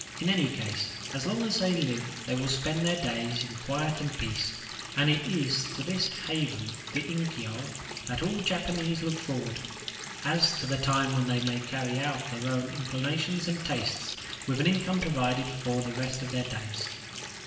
In any case, as long as they live they will spend their days in quiet and peace; and it is to this haven, the inkyo, that all Japanese look forward, as to the time when they may carry out their own inclinations and tastes with an income provided for the rest of their days.